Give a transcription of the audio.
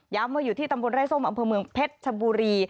ว่าอยู่ที่ตำบลไร้ส้มอำเภอเมืองเพชรชบุรี